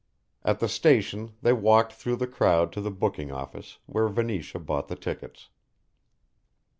At the station they walked through the crowd to the booking office where Venetia bought the tickets.